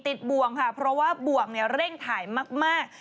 บ่วงค่ะเพราะว่าบ่วงเนี่ยเร่งถ่ายมาก